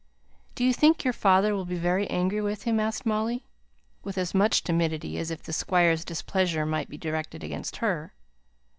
"Do you think your father will be very angry with him?" asked Molly, with as much timidity as if the squire's displeasure might be directed against her.